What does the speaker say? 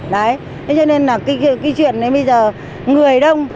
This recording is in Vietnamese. đấy thế cho nên là cái chuyện đấy bây giờ người đông